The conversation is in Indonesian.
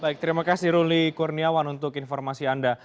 baik terima kasih ruli kurniawan untuk informasi anda